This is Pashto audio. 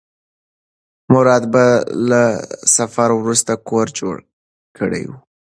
مراد به له سفر وروسته کور جوړ کړی وي.